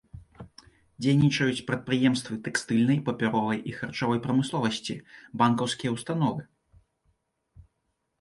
Дзейнічаюць прадпрыемствы тэкстыльнай, папяровай і харчовай прамысловасці, банкаўскія ўстановы.